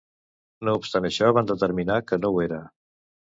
No obstant això, van determinar que no ho era.